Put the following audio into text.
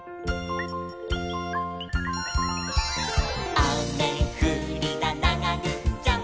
「あめふりだながぐっちゃん！！」